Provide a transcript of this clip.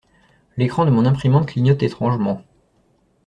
L'écran de mon imprimante clignote étrangement.